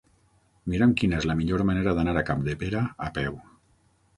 Mira'm quina és la millor manera d'anar a Capdepera a peu.